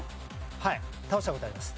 はい倒した事あります。